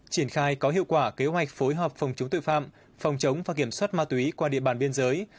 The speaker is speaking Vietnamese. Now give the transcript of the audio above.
triển khai có hiệu quả kế hoạch phối hợp phòng chống tội phạm phòng chống và kiểm soát ma túy qua địa bàn biên giới